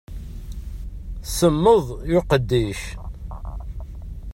Semmed i uqeddic.